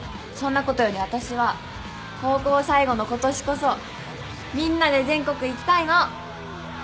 そんなことより私は高校最後のことしこそみんなで全国行きたいの！